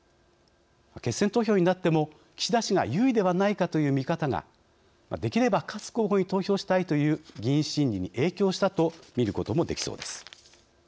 決選投票になっても岸田氏が有利ではないかという見方ができれば勝つ候補に投票したいという議員心理に影響したと見ることもできそうです。